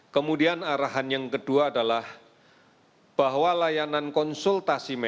kemudian arahan yang kedua adalah bahwa layanan konsultasi medis